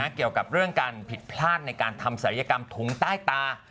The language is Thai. เกี่ยวกับเรื่องการผิดพลาดในการทำศัลยกรรมถุงใต้ตา